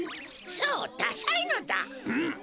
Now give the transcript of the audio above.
そうダサいのだ！